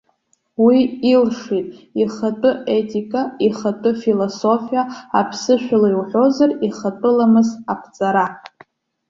Уи илшеит ихатәы етика, ихатәы философиа, аԥсышәала иуҳәозар, ихатәы ламыс аԥҵара.